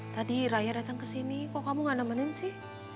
tadi raya datang ke sini kok kamu gak nemenin sih